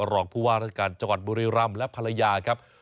หลอกผู้ว่ารัฐกาลจักรบุรีล่ำและภรรยาครับ